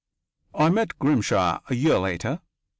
I met Grimshaw a year later.